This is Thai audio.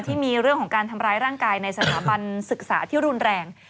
ที่มีเรื่องของการทำร้ายร่างกายในสถาบันศึกษาที่รุนแรง